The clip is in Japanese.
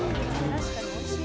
確かにおいしい。